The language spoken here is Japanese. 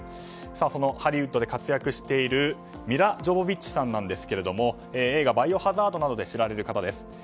そのハリウッドで活躍しているミラ・ジョヴォヴィッチさんなんですが映画「バイオハザード」などで知られる方です。